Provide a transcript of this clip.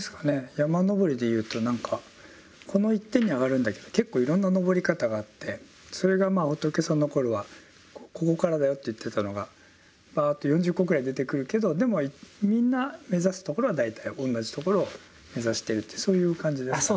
山登りで言うと何かこの１点に上がるんだけど結構いろんな登り方があってそれが仏様の頃はここからだよと言っていたのがぱっと４０個ぐらい出てくるけどでもみんな目指すところは大体同じ所を目指してるってそういう感じですかね。